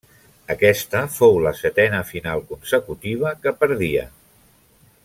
Aquesta fou la setena final consecutiva que perdia.